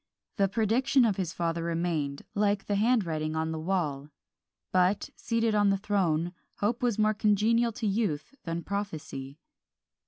The prediction of his father remained, like the handwriting on the wall; but, seated on the throne, Hope was more congenial to youth than Prophecy.